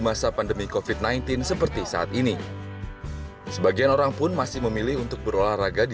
masa pandemi kofit sembilan belas seperti saat ini sebagian orang pun masih memilih untuk berolahraga di